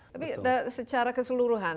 tapi secara keseluruhan